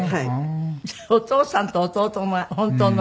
じゃあお父さんと弟が本当の。